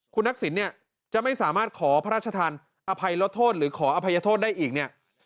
คุณทักษิณเนี่ยจะไม่สามารถขอพระราชทานอภัยลดโทษหรือขออภัยโทษได้อีกเนี่ย